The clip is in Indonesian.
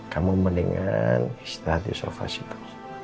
kamu mendingan istirahat di sofa situ